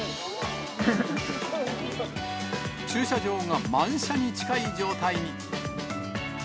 駐車場が満車に近い状態に。